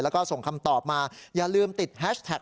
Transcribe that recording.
แล้วก็ส่งคำตอบมาอย่าลืมติดแฮชแท็ก